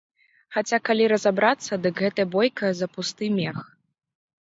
Хаця калі разабрацца, дык гэта бойка за пусты мех.